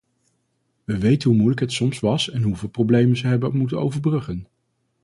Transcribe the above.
We weten hoe moeilijk het soms was en hoeveel problemen ze hebben moeten overbruggen.